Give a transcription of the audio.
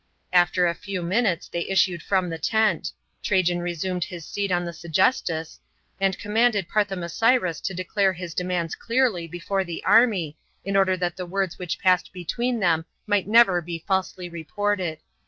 Alter a few minutes they issue«l from the tent; Trajan resumed his seat on the sttygesfus, an 1 commanded Paithomasiris to declare his demands cl arly he:ore the army, in onler that the words which passed between them mi^ht never be falsely reported.